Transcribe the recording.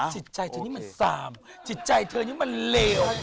จิตใจเธอนี่มันซามจิตใจเธอนี่มันเลว